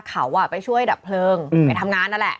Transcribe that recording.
เขาไปช่วยดับเพลิงไปทำงานนั่นแหละ